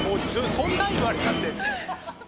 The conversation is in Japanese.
そんなん言われたって。